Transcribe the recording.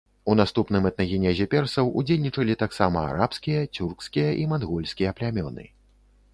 У наступным этнагенезе персаў удзельнічалі таксама арабскія, цюркскія і мангольскія плямёны.